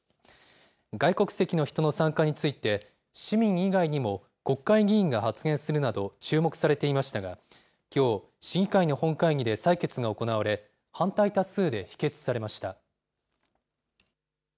外国籍の人の参加について、市民以外にも国会議員が発言するなど注目されていましたが、きょう、市議会の本会議で採決が行われ、反対多数で否決されました。